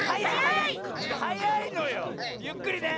ゆっくりね！